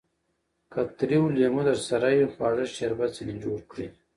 که تريو لېمو درسره يي؛ خواږه شربت ځني جوړ کړئ!